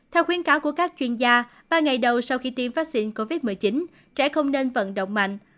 theo khuyến cáo của các chuyên gia ba ngày đầu sau khi tiêm vaccine covid một mươi chín trẻ không nên vận động mạnh